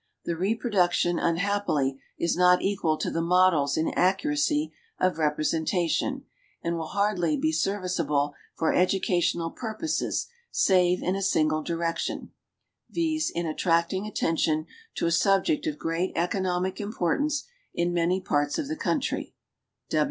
The reproduction, unhappily, is not equal to the models in accuracj^ of representation, and will hardly be serviceable for educational purposes save in a single direction, viz., in attracting at tention to a subject of. great economic importance in many parts of the country.